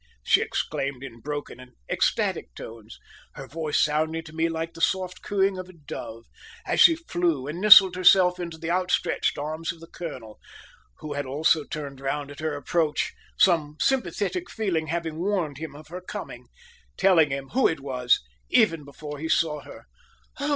she exclaimed in broken and ecstatic tones, her voice sounding to me like the soft cooing of a dove, as she flew and nestled herself into the outstretched arms of the colonel, who had also turned round at her approach, some sympathetic feeling having warned him of her coming, telling him who it was even before he saw her.